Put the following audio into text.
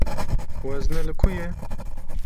Wezne li ku ye?